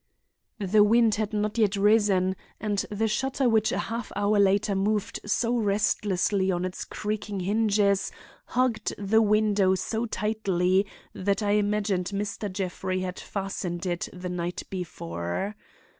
"The wind had not yet risen and the shutter which a half hour later moved so restlessly on its creaking hinges, hugged the window so tightly that I imagined Mr. Jeffrey had fastened it the night before.